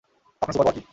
আপনার সুপারপাওয়ার কী?